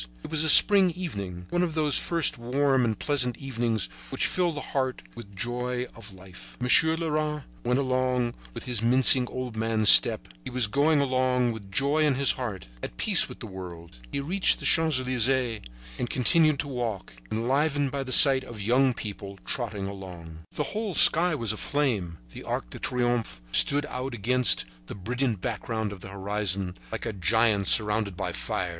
It was a spring evening, one of those first warm and pleasant evenings which fill the heart with the joy of life. Monsieur Leras went along with his mincing old man's step; he was going along with joy in his heart, at peace with the world. He reached the Champs Elysees, and he continued to walk, enlivened by the sight of the young people trotting along. The whole sky was aflame; the Arc de Triomphe stood out against the brilliant background of the horizon, like a giant surrounded by fire.